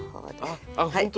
あっ本当だ。